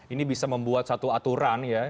ini bisa membuat satu aturan ya